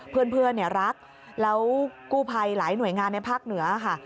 เพื่อนรักแล้วกู้ภัยหลายหน่วยงานในภาคเหนือค่ะ